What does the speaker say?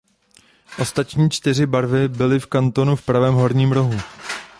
Ostatní čtyři barvy byly v kantonu v pravém horním rohu.